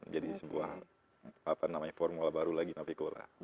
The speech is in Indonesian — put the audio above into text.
jadi sebuah apa namanya formula baru lagi navicola